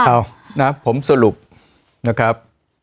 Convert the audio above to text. เอ้านะครับผมสรุปนะครับ